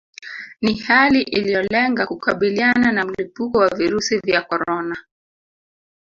Ni hali iliolenga kukabiliana na mlipuko wa virusi vya corona